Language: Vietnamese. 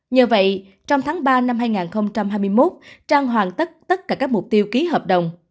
nhờ vậy trong tháng ba năm hai nghìn hai mươi một trang hoàn tất tất cả các mục tiêu ký hợp đồng